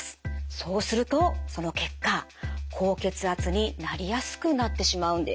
そうするとその結果高血圧になりやすくなってしまうんです。